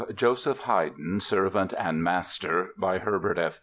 JOSEPH HAYDN Servant and Master By HERBERT F.